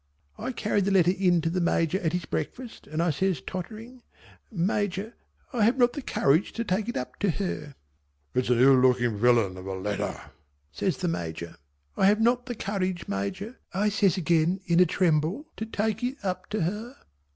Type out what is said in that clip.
I carried the letter in to the Major at his breakfast and I says tottering "Major I have not the courage to take it up to her." "It's an ill looking villain of a letter," says the Major. "I have not the courage Major" I says again in a tremble "to take it up to her."